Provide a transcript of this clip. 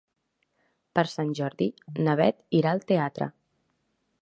Per Sant Jordi na Bet irà al teatre.